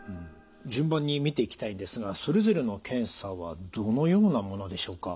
順番に見ていきたいんですがそれぞれの検査はどのようなものでしょうか？